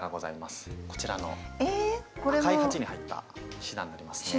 こちらの赤い鉢に入ったシダになりますね。